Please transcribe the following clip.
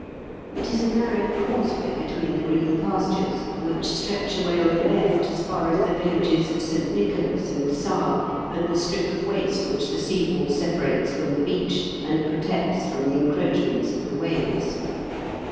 It is a narrow causeway between the green pastures which stretch away on the left as &r as the villages of St. Nicholas and Sarr, and the strip of waste which the sea wall separates from the beach, and protects from the encroachments of the waves.